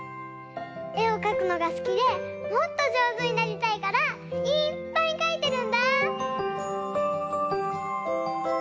えをかくのが好きでもっと上手になりたいからいっぱいかいてるんだぁ！